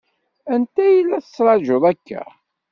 Anta i la ttṛaǧun akka?